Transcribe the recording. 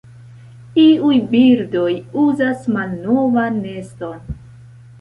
Iuj birdoj uzas malnovan neston.